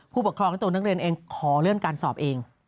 ผู้ปกครองและตัวนักเรียนเองขอเลื่อนการสอบเอง